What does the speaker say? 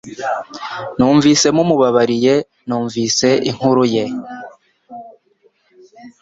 Numvise mumubabariye numvise inkuru ye